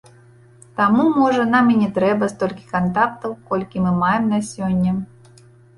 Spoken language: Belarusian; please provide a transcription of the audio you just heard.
Таму, можа, нам і не трэба столькі кантактаў, колькі мы маем на сёння.